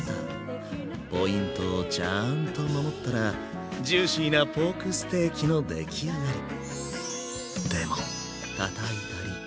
ポイントをちゃんと守ったらジューシーなポークステーキの出来上がり。